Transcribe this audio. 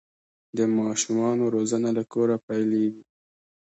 د ماشومانو روزنه له کوره پیلیږي.